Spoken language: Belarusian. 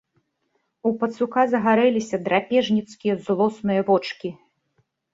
У пацука загарэліся драпежніцкія злосныя вочкі.